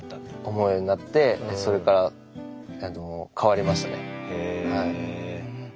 思うようになってでそれから変わりましたね。